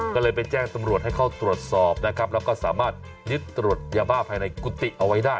ก็เลยไปแจ้งตำรวจให้เข้าตรวจสอบนะครับแล้วก็สามารถยึดตรวจยาบ้าภายในกุฏิเอาไว้ได้